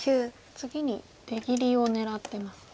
次に出切りを狙ってますね。